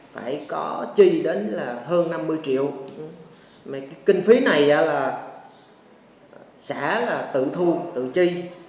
phải có chi đến là hơn năm mươi triệu mà cái kinh phí này là xã là tự thu tự chi